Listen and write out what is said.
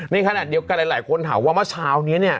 นี่ขนาดเดียวกันหลายคนถามว่าเมื่อเช้านี้